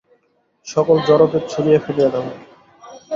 সকল জড়কে ছুঁড়িয়া ফেলিয়া দাও।